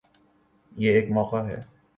یہ ایک موقع ہے۔